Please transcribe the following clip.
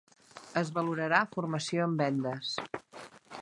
Es valorarà formació en vendes.